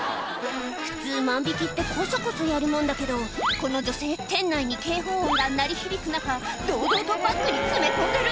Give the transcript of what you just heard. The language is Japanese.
普通万引きってコソコソやるもんだけどこの女性店内に警報音が鳴り響く中堂々とバッグに詰め込んでる